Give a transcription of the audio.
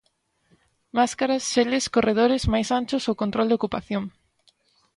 Máscaras, xeles, corredores máis anchos ou control de ocupación.